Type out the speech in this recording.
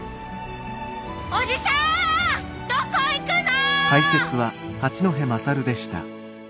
おじさんどこ行くの！？